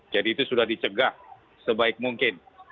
jadi itu sudah dicegah sebaik mungkin